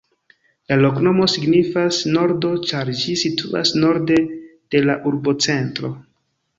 La loknomo signifas: nordo, ĉar ĝi situas norde de la urbocentro.